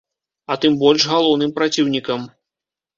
А тым больш галоўным праціўнікам.